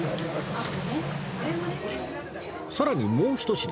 さらにもうひと品